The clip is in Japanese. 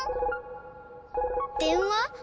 でんわ？